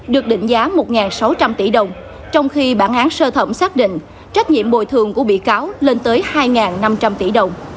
được định giá một sáu trăm linh tỷ đồng trong khi bản án sơ thẩm xác định trách nhiệm bồi thường của bị cáo lên tới hai năm trăm linh tỷ đồng